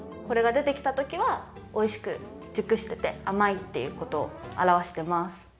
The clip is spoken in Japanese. これがでてきたときはおいしくじゅくしててあまいっていうことをあらわしてます。